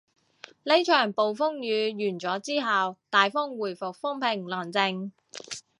呢場暴風雨完咗之後，大海回復風平浪靜